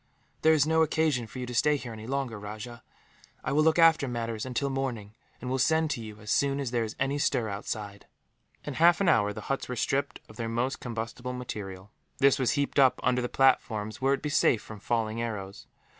"There is no occasion for you to stay here, any longer, Rajah. I will look after matters until morning, and will send to you, as soon as there is any stir outside." In half an hour, the huts were stripped of their most combustible material. This was heaped up under the platforms, where it would be safe from falling arrows.